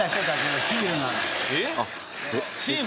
チーム？